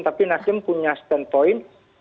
tapi nasdem punya standpoint